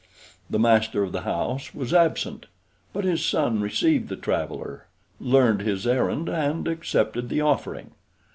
The master of the house was absent, but his son received the traveler, learned his errand, and accepted the offering.